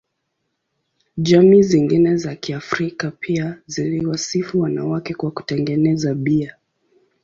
Jamii zingine za Kiafrika pia ziliwasifu wanawake kwa kutengeneza bia.